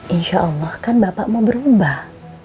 insya allah kan bapak mau berubah